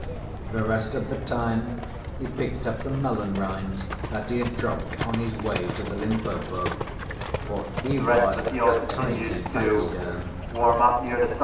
The rest of the time he picked up the melon rinds that he had dropped on his way to the Limpopo for he was a Tidy Pachyderm.